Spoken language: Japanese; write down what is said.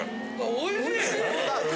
・おいしい！